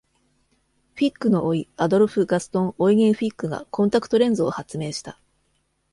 フィックの甥アドルフ・ガストン・オイゲン・フィックがコンタクトレンズを発明した。